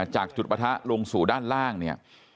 จากจุดปะทะลงสู่ด้านล่างเนี่ย